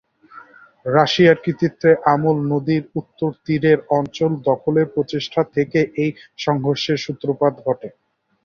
Russia কর্তৃক Amur নদীর উত্তর তীরের অঞ্চল দখলের প্রচেষ্টা থেকে এই সংঘর্ষের সূত্রপাত ঘটে।